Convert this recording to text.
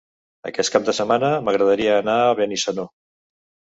Aquest cap de setmana m'agradaria anar a Benissanó.